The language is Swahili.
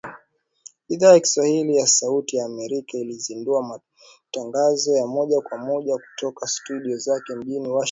Idhaa ya Kiswahili ya Sauti ya Amerika ilizindua matangazo ya moja kwa moja kutoka studio zake mjini Washington